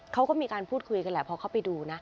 เขาก็มีการพูดคุยกันแหละพอเขาไปดูนะ